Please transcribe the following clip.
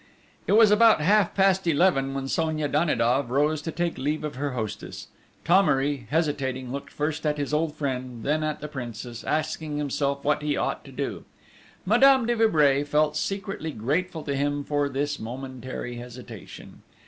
It was about half past eleven when Sonia Danidoff rose to take leave of her hostess. Thomery, hesitating, looked first at his old friend, then at the Princess, asking himself what he ought to do. Madame de Vibray felt secretly grateful to him for this momentary hesitation.